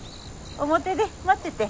表で待ってて。